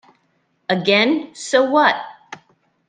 Again, so what?